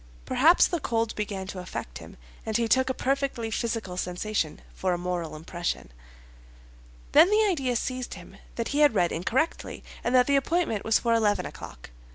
Perhaps the cold began to affect him, and he took a perfectly physical sensation for a moral impression. Then the idea seized him that he had read incorrectly, and that the appointment was for eleven o'clock.